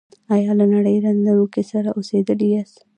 ایا له نري رنځ لرونکي سره اوسیدلي یاست؟